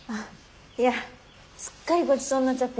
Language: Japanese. いやすっかりごちそうになっちゃって。